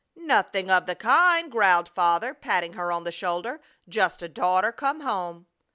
"Nothing of the kind!" growled Father, patting her on the shoulder. "Just a daughter come home!"